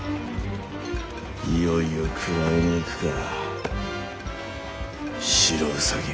いよいよ食らいに行くか白兎を。